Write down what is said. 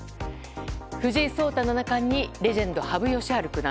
藤井聡太七冠にレジェンド羽生善治九段。